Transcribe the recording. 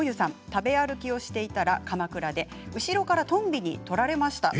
食べ歩きをしていたら鎌倉で後ろからトンビに取られました。